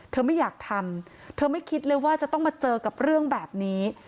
ไม่อยากทำเธอไม่คิดเลยว่าจะต้องมาเจอกับเรื่องแบบนี้